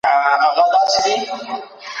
غړي د نويو پرېکړو پر سر موافقې ته رسيږي.